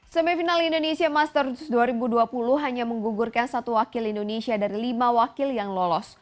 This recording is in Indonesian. semifinal indonesia masters dua ribu dua puluh hanya menggugurkan satu wakil indonesia dari lima wakil yang lolos